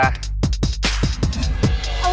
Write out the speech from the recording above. เอาเร็ว